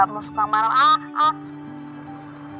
masuk kamar ah ah